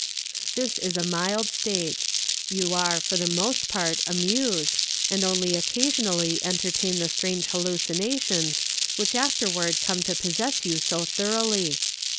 This is a mild stage. You are for the most part amused, and only occasionally entertain the strange hallucinations which afterward come to possess you so thoroughly.